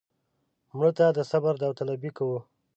مړه ته د صبر داوطلبي کوو